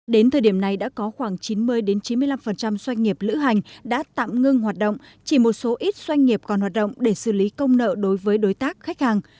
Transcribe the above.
đến thời điểm này đã có khoảng chín mươi chín mươi năm doanh nghiệp lữ hành đã tạm ngưng hoạt động chỉ một số ít doanh nghiệp còn hoạt động để xử lý công nợ đối với đối tác khách hàng